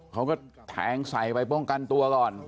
เขาก็แทงใส่ไปป้องกันตัวก่อน